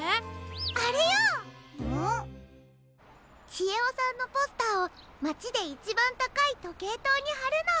ちえおさんのポスターをまちでいちばんたかいとけいとうにはるの。